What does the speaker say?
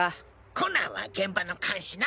コナンは現場の監視な！